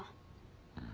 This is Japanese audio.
うん。